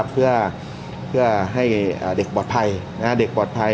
เพื่อให้เด็กปลอดภัย